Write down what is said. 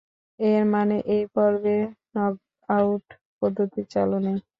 এর মানে এই পর্বে নকআউট পদ্ধতি চালু নেই।